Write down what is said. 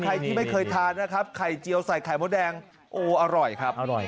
ใครที่ไม่เคยทานนะครับไข่เจียวใส่ไข่มดแดงโอ้อร่อยครับอร่อย